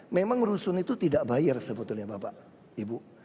memang rusun itu tidak bayar sebetulnya bapak ibu